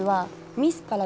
ミスから？